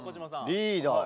リーダー。